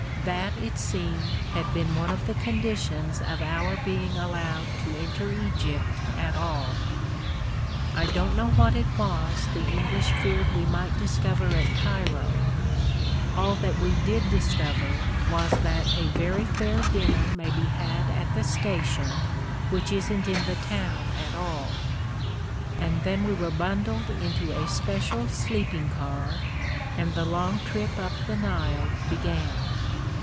That, it seemed, had been one of the conditions of our be ing allowed to enter Egypt at all I don't know what it was the English feared we might discover at Cairo ; all that we did discover was that a very fair dinner may be had at the station, which isn't in the town at all ; and then we were bundled into a special sleeping car, and the long trip up the Nile began.